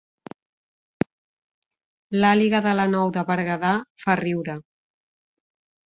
L'àliga de la Nou de Berguedà fa riure